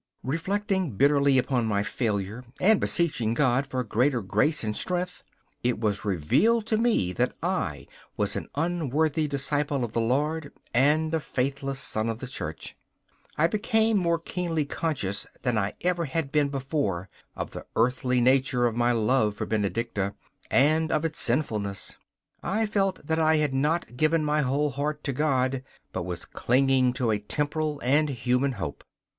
Reflecting bitterly upon my failure, and beseeching God for greater grace and strength, it was revealed to me that I was an unworthy disciple of the Lord and a faithless son of the Church. I became more keenly conscious than I ever had been before of the earthly nature of my love for Benedicta, and of its sinfulness. I felt that I had not given my whole heart to God, but was clinging to a temporal and human hope.